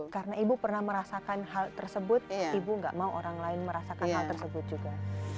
karena ibu pernah merasakan hal tersebut ibu nggak mau orang lain merasakan hal tersebut juga